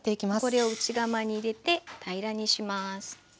これを内釜に入れて平らにします。